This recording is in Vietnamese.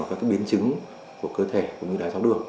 các biến chứng của cơ thể cũng như đá giáo đường